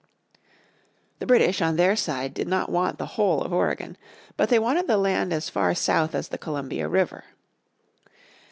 The British on their side did not want the whole of Oregon, but they wanted the land as far south as the Columbia River.